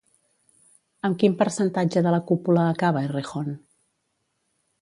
Amb quin percentatge de la cúpula acaba Errejón?